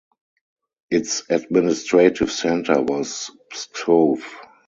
Its administrative centre was Pskov.